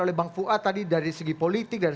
oleh bang fuad tadi dari segi politik dan